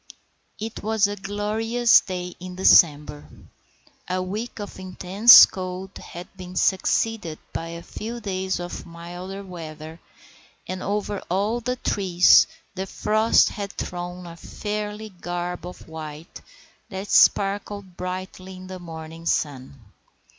It was a glorious day in December. A week of intense cold had been succeeded by a few days of milder weather, and over all the trees the frost had thrown a fairy garb of white that sparkled brightly in the morning sun.